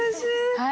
はい。